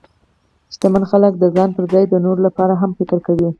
شتمن خلک د ځان پر ځای د نورو لپاره هم فکر کوي.